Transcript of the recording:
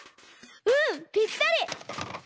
うんぴったり！